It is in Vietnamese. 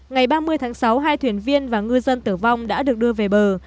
ngày ba mươi tháng sáu hai thuyền viên và ngư dân tử vong đã được đưa về bờ